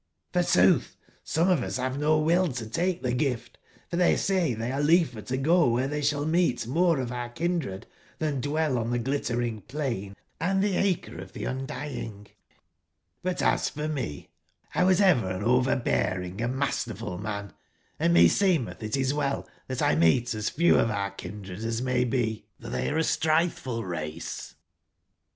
for sootb some of us bave no will to take tbe gift, for tbey say tbey are liefer to gotowbere tbey sball meet more of our kindred tban dwell on tbe Glittering plain and tbe Here of tbe Qndying; but as for me 61 1 was ever an overbearing and masterful man, and meseemetbitiswell tbatlmeetasf ewof our hindred ae may be: for tbey are a strif eful race" JS?